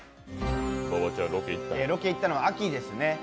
ロケ行ったのは秋ですね。